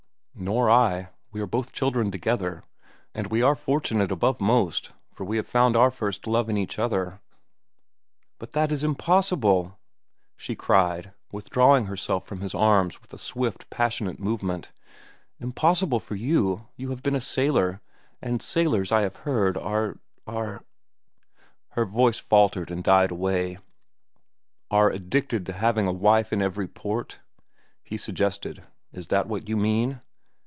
"Nor I. We are both children together. And we are fortunate above most, for we have found our first love in each other." "But that is impossible!" she cried, withdrawing herself from his arms with a swift, passionate movement. "Impossible for you. You have been a sailor, and sailors, I have heard, are—are—" Her voice faltered and died away. "Are addicted to having a wife in every port?" he suggested. "Is that what you mean?"